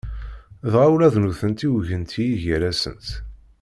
Dɣa ula d nutenti ugint-iyi gar-asent.